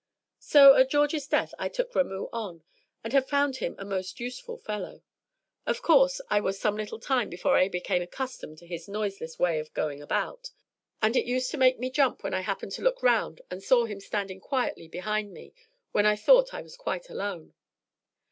"So at George's death I took Ramoo on, and have found him a most useful fellow. Of course, I was some little time before I became accustomed to his noiseless way of going about, and it used to make me jump when I happened to look round, and saw him standing quietly behind me when I thought I was quite alone.